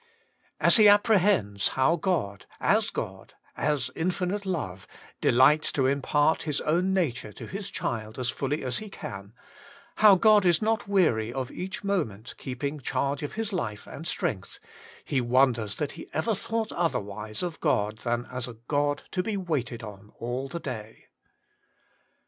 As he apprehends how God, as God, as Infinite Love, delights to impart His own nature to His child as fully as He can, how God is not weary of each moment keeping charge of his life and strength, he wonders that he ever thought other wise of God than as a God to be waited on all WAITING ON GOBI the day.